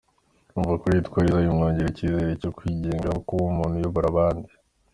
Kumva ko yitwa Liza bimwongerera icyizere cyo kwigenga no kuba umuntu uyobora abandi.